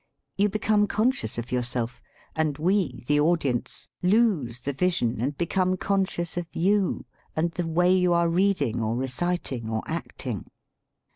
You become conscious of yourself, and we, the audience, lose the vision and become conscious of you and the way you are reading or reciting or acting."